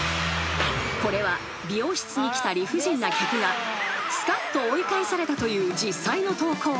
［これは美容室に来た理不尽な客がスカッと追い返されたという実際の投稿］